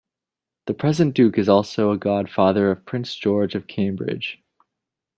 The present Duke is also a godfather of Prince George of Cambridge.